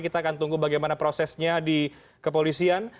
kita akan tunggu bagaimana prosesnya di kepolisian